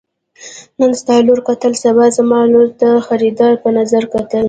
نن ستا لور کتله سبا زما لور ته د خريدار په نظر کتل.